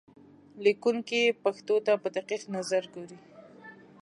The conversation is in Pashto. لیکونکی پېښو ته په دقیق نظر ګوري.